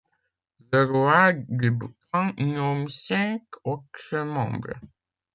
Le roi du Bhoutan nomme cinq autres membres.